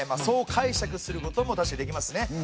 そう解釈することも確かにできますね。